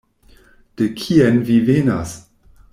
De kien vi venas?